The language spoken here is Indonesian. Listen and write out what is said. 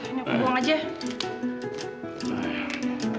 ini aku buang aja